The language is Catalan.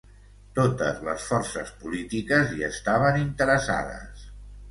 Totes les forces polítiques hi estaven interessades.